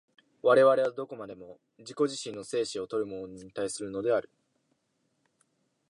我々はどこまでも自己自身の生死を問うものに対するのである。